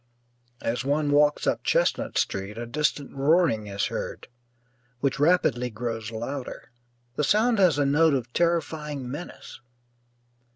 As one walks up Chestnut Street a distant roaring is heard, which rapidly grows louder. The sound has a note of terrifying menace.